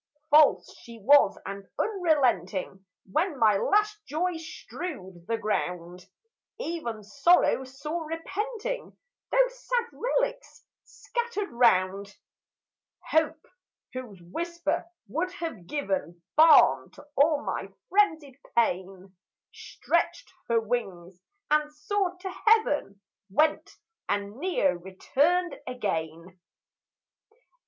False she was, and unrelenting; When my last joys strewed the ground, Even Sorrow saw, repenting, Those sad relics scattered round; Hope, whose whisper would have given Balm to all my frenzied pain, Stretched her wings, and soared to heaven, Went, and ne'er returned again!